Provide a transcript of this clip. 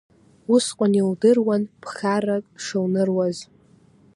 Усҟан идыруан ԥхаррак шылныруаз…